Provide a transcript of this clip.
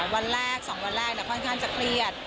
วันแรกสองวันแรกแต่ป้อนจะเครียด